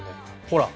ほら。